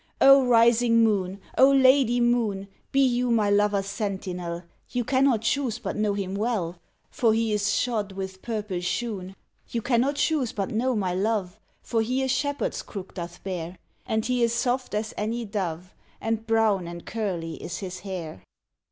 O rising moon! O Lady moon! Be you my lover's sentinel, You cannot choose but know him well, For he is shod with purple shoon, You cannot choose but know my love, For he a shepherd's crook doth bear, And he is soft as any dove, And brown and curly is his hair.